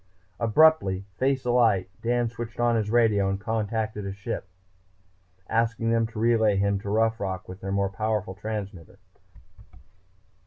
Abruptly, face alight, Dan switched on his radio and contacted a ship below, asking them to relay him to Rough Rock with their more powerful transmitter.